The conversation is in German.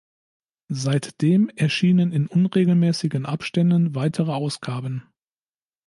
Seitdem erschienen in unregelmäßigen Abständen weitere Ausgaben.